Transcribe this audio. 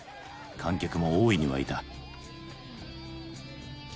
観客も大いに沸いた。